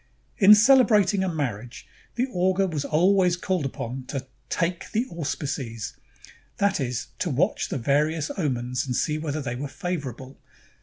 In celebrating a marriage, the augur was always called upon to "take the auspices,''^ that is, to watch the various omens and see whether they were favorable.